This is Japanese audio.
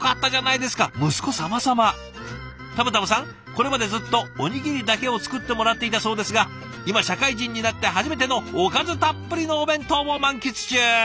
これまでずっとおにぎりだけを作ってもらっていたそうですが今社会人になって初めてのおかずたっぷりのお弁当を満喫中！